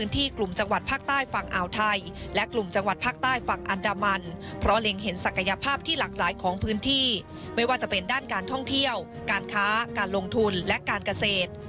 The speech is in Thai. ติดตามจากรายงานครับ